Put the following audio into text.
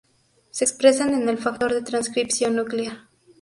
Se expresan en el factor de transcripción nuclear.